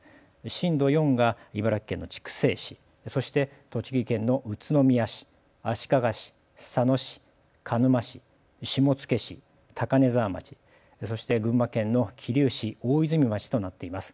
震度４が茨城県の筑西市そして栃木県の宇都宮市、足利市、佐野市、鹿沼市、下野市、高根沢町そして群馬県の桐生市、大泉町となっています。